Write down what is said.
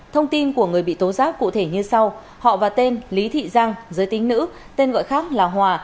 thông tin của người bị tố giác cụ thể như sau họ và tên lý thị giang giới tính nữ tên gọi khác là hòa